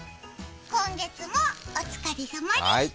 今月もお疲れさまでした。